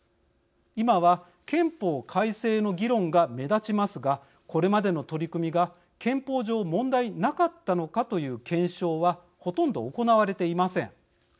今は憲法改正の議論が目立ちますがこれまでの取り組みが憲法上、問題なかったのかという検証はほとんど行われていません。